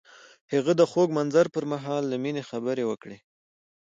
هغه د خوږ منظر پر مهال د مینې خبرې وکړې.